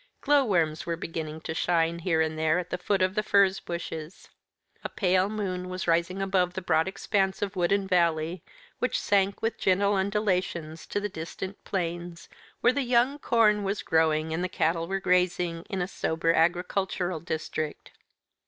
Glow worms were beginning to shine here and there at the foot of the furze bushes. A pale moon was rising above the broad expanse of wood and valley, which sank with gentle undulations to the distant plains, where the young corn was growing and the cattle were grazing in a sober agricultural district.